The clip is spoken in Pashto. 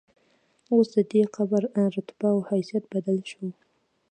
اوس ددې قبر رتبه او حیثیت بدل شو.